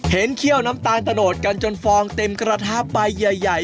เห็นเขี้ยวน้ำตาลทะโนทกันจนฟองเต็มกระทาปัญญาใหญ่